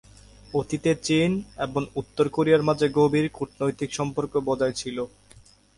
অতীতে চীন এবং উত্তর কোরিয়ার মাঝে গভীর কূটনৈতিক সম্পর্ক বজায় ছিল।